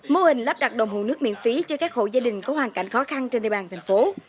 mô hình lắp đặt đồng hồ nước miễn phí cho các hộ gia đình có hoàn cảnh khó khăn trên địa bàn thành phố